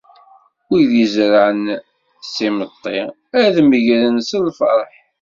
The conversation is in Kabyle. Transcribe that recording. Wid izerrɛen s yimeṭṭi, ad d-megren s lferḥ.